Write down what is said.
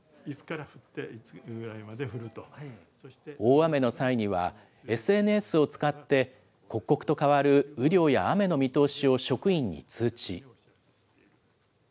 大雨の際には、ＳＮＳを使って、刻々と変わる雨量や雨の見通しを職員に通知。